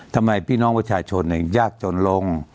พี่น้องประชาชนยากจนลง